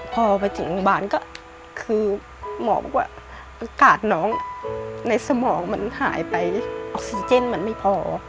พอไปถึงโรงพยาบาลก็คือหมอบอกว่าอากาศน้องในสมองมันหายไปออกซิเจนมันไม่พอ